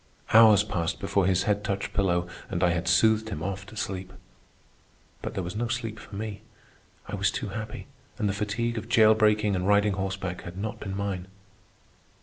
Hours passed before his head touched pillow and I had soothed him off to sleep. But there was no sleep for me. I was too happy, and the fatigue of jail breaking and riding horseback had not been mine.